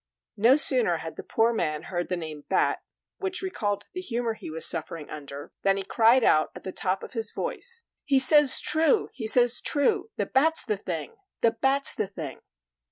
No sooner had the poor man heard the name bat, which recalled the humor he was suffering under, than he cried out at the top of his voice: "He says true he says true; the bat's the thing the bat's the thing!"